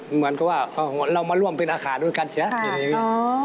เหมือนก็ว่าเรามาร่วมเป็นอาคาด้วยกันใช่ไหม